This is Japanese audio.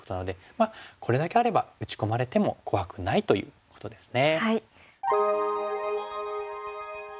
まあこれだけあれば打ち込まれても怖くないということですね。